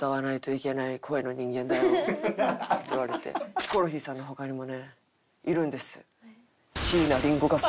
「ヒコロヒーさんの他にもねいるんですよ」。